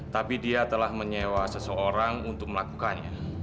tapi dia telah menyewa seseorang untuk melakukannya